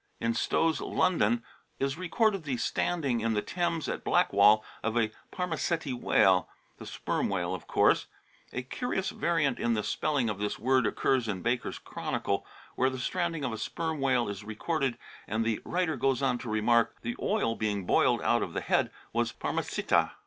In Stowe's London is recorded the stranding in the Thames, at Blackwall, of a " Parma Ceti whale," the Sperm whale of course. A curious variant in the spelling of this word occurs in Baker's Chronicle, where the stranding of a O Sperm whale is recorded, and the writer goes on to remark, " The Oyl being boy led out of the head was Parmacitta."